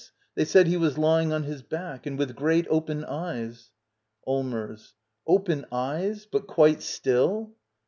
They said he was lying on his »/Dack. And with great, open eyes. Allmers. Open eyes? But quite still?